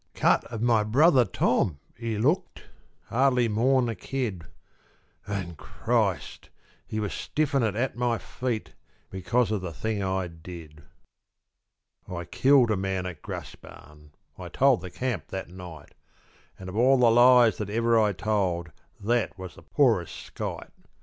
Cut of my brother Tom, he looked, Hardly more'n a kid; An', Christ! he was stiffenin' at my feet Because of the thing I did. I killed a man at Graspan; I told the camp that night; An' of all the lies that ever I told That was the poorest skite.